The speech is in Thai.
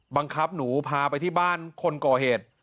บังคับหนูพาไปที่บ้านคนก่อเหตุ